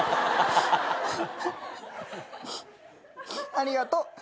ありがと。